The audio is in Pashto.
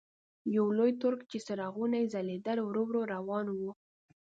یو لوی ټرک چې څراغونه یې ځلېدل ورو ورو روان و.